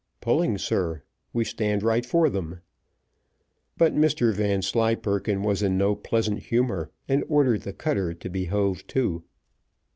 "Pulling, sir; we stand right for them." But Mr Vanslyperken was in no pleasant humour, and ordered the cutter to be hove to.